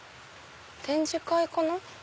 展示会かな？